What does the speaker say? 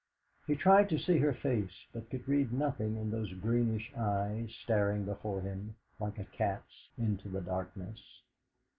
He tried to see her face, but could read nothing in those greenish eyes staring before them, like a cat's, into the darkness.